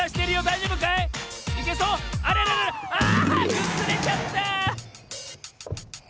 くずれちゃった！